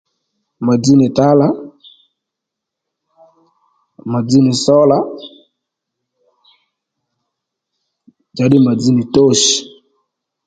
Mà dzz nì tǎlà màdzz nì sólà njàddî mà dzz nì toch